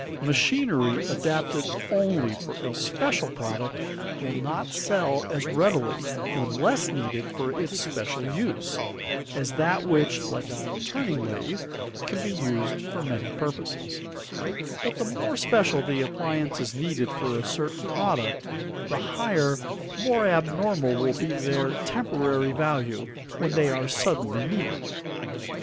Machinery adapted only for a special product will not sell as readily when less needed for its special use, as that which, like a turning lathe, can be used for many purposes; but the more special the appliances needed for a certain product, the higher, more abnormal will be their temporary value when they are suddenly needed.